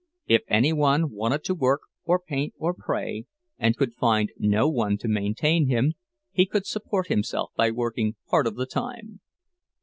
If any one wanted to work or paint or pray, and could find no one to maintain him, he could support himself by working part of the time.